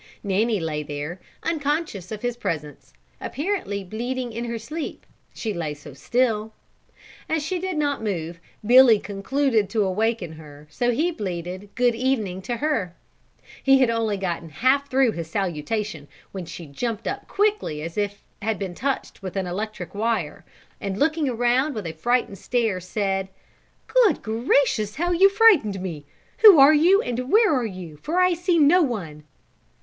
Nanny lay there unconscious of his presence; apparently bleating in her sleep, she lay so still. As she did not move Billy concluded to awaken her so he bleated "Good evening" to her. He had only gotten half through his salutation when she jumped up quickly as if she had been touched with an electric wire, and looking around with a frightened stare, said: "Good gracious, how you frightened me! Who are you, and where are you, for I see no one?"